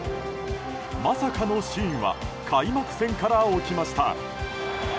まさかのシーンは開幕戦から起きました。